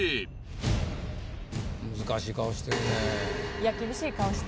難しい顔してるで。